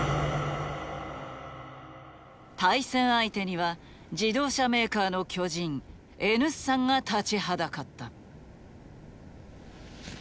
対戦相手には自動車メーカーの巨人Ｎ産が立ちはだかった。